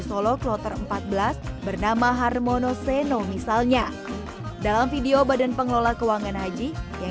solo kloter empat belas bernama harmono seno misalnya dalam video badan pengelola keuangan haji yang